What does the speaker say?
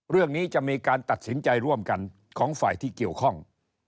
เรื่องนี้จะมีการตัดสินใจร่วมกันของฝ่ายที่เกี่ยวข้อง